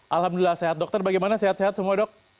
alhamdulillah sehat dokter bagaimana sehat sehat semua dok